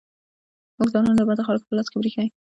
موږ ځانونه د بدو خلکو په لاس کې پرېښي.